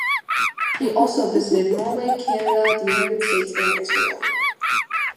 He also visited Norway, Canada, the United States and Israel.